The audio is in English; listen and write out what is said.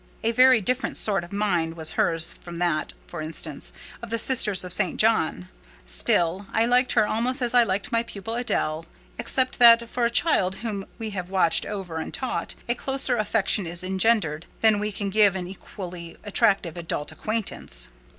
A very different sort of mind was hers from that, for instance, of the sisters of St. John. Still, I liked her almost as I liked my pupil Adèle; except that, for a child whom we have watched over and taught, a closer affection is engendered than we can give an equally attractive adult acquaintance.